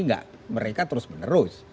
enggak mereka terus menerus